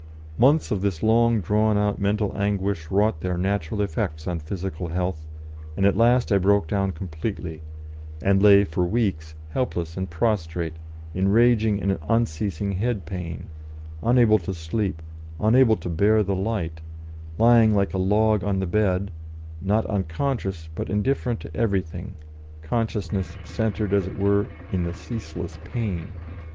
Months of this long drawn out mental anguish wrought their natural effects on physical health, and at last I broke down completely, and lay for weeks helpless and prostrate, in raging and unceasing head pain, unable to sleep, unable to bear the light, lying like a log on the bed, not unconscious, but indifferent to everything, consciousness centred, as it were, in the ceaseless pain.